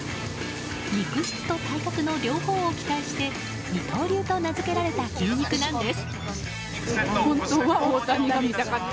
肉質と体格の両方を期待して二刀流と名付けられた牛肉なんです。